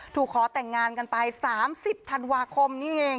ขอแต่งงานกันไป๓๐ธันวาคมนี่เอง